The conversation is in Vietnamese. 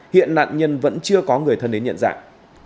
hiện nạn nhân vẫn chưa có người thân đến nhận dạng